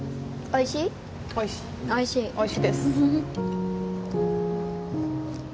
おいしいです。